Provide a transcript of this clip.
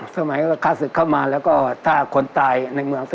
สมัยก็ฆ่าศึกเข้ามาแล้วก็ถ้าคนตายในเมือง